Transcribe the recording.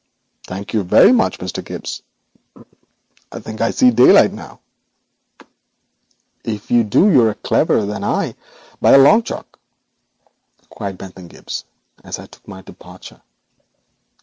'Thank you very much, Mr. Gibbes; I think I see daylight now.' 'If you do you are cleverer than I by a long chalk,' cried Bentham Gibbes as I took my departure.